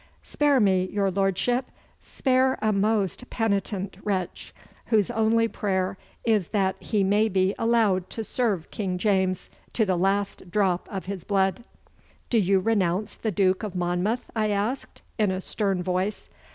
Spare me, your lordship; spare a most penitent wretch, whose only prayer is that he may be allowed to serve King James to the last drop of his blood!' 'Do you renounce the Duke of Monmouth?' I asked, in a stern voice.